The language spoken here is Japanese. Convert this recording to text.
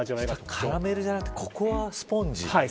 カラメルじゃなくてココアスポンジ。